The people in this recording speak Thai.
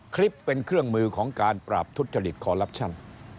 คลิปเป็นเครื่องมือของการปราบทุจริตคอลลับชั่น